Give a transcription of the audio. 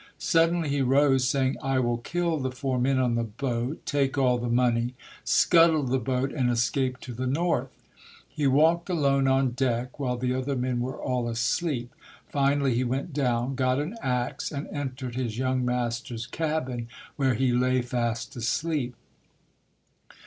Suddenly he rose, saying, "I will kill the four men on the boat, take all the money, scuttle the boat and escape to the North". He walked alone on deck, while the other men were all asleep. Finally he went down, got an ax, and entered his young master's cabin where he lay fast asleep.